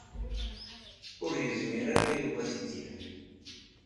Ur yezmir ara Yuba ad t-id-yaf.